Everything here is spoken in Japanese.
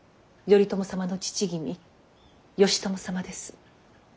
頼朝様の父君義朝様です。